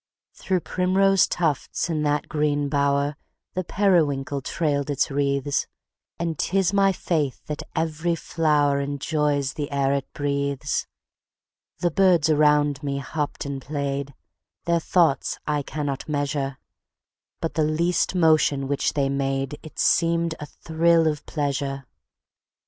Through primrose tufts, in that green bower, The periwinkle trailed its wreaths; And 'tis my faith that every flower Enjoys the air it breathes. The birds around me hopped and played, Their thoughts I cannot measure: But the least motion which they made It seemed a thrill of pleasure.